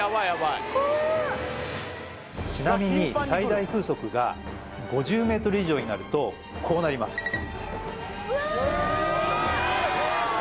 ヤバいちなみに最大風速が５０ｍ／ｓ以上になるとこうなります